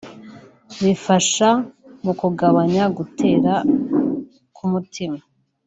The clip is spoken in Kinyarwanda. bifasha mu kugabanya gutera k’umutima